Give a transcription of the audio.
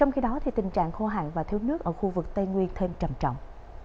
khô hạn và thiếu nước ở khu vực tây nguyên thêm trầm trọng